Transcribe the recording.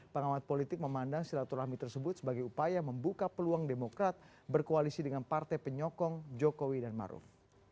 pengamat politik memandang silaturahmi tersebut sebagai upaya membuka peluang demokrat berkoalisi dengan partai penyokong jokowi dan maruf